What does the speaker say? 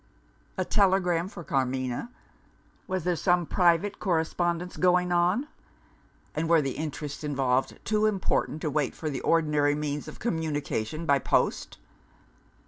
A telegram for Carmina? Was there some private correspondence going on? And were the interests involved too important to wait for the ordinary means of communication by post?